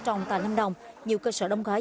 trồng tại năm đồng nhiều cơ sở đông khói